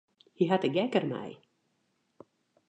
Hy hat de gek dermei.